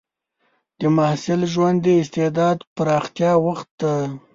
د محصل ژوند د استعداد پراختیا وخت دی.